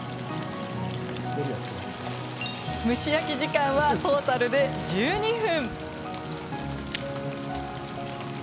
蒸し焼き時間はトータルで１２分。